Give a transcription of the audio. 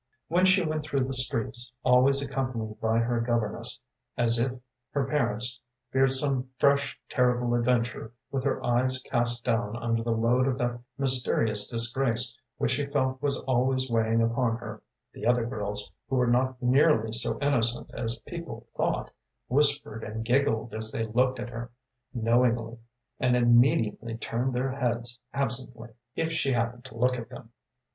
“When she went through the streets, always accompanied by her governess, as if, her parents feared some fresh, terrible adventure, with her eyes cast down under the load of that mysterious disgrace which she felt was always weighing upon her, the other girls, who were not nearly so innocent as people thought, whispered and giggled as they looked at her knowingly, and immediately turned their heads absently, if she happened to look at them.